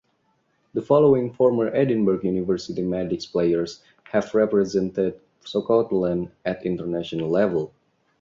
The following former Edinburgh University Medics players have represented Scotland at international level.